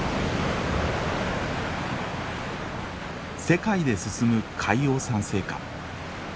世界で進む海洋酸性化。